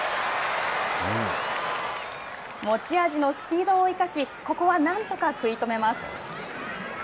持ち味のスピードを生かしここはなんとか食い止めます。